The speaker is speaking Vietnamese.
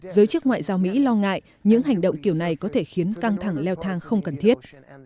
giới chức ngoại giao mỹ lo ngại những hành động kiểu này có thể khiến căng thẳng leo thang không cần thiết